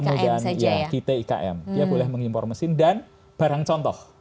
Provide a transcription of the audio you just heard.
kemudian ya kita ikm dia boleh mengimpor mesin dan barang contoh